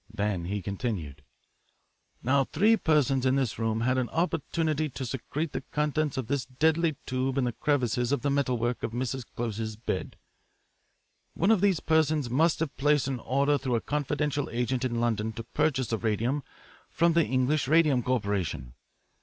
Then he continued: "Now three persons in this room had an opportunity to secrete the contents of this deadly tube in the crevices of the metal work of Mrs. Close's bed. One of these persons must have placed an order through a confidential agent in London to purchase the radium from the English Radium Corporation.